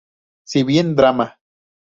Si bien Drama!